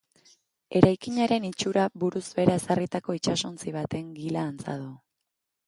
Eraikinaren itxura buruz behera ezarritako itsasontzi baten gila antza du.